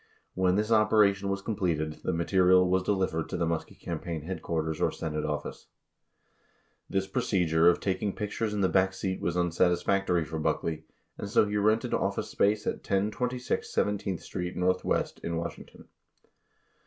When this operation was completed, the material was delivered to the Muskie campaign headquarters or Senate office. This procedure of taking pictures in the back seat was unsatisfactory for Buckley, and so he rented office space at 1026 17th Street NW. in Washington.